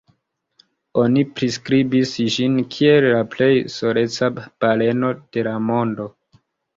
Oni priskribis ĝin kiel la "plej soleca baleno de la mondo".